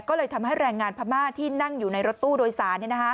ก็เลยทำให้แรงงานพม่าที่นั่งอยู่ในรถตู้โดยสาร